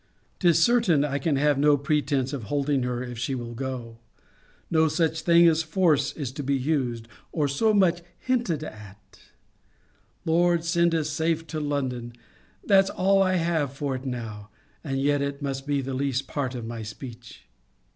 'Tis certain I can have no pretence for holding her, if she will go. No such thing as force to be used, or so much as hinted at: Lord send us safe at London! That's all I have for it now: and yet it must be the least part of my speech.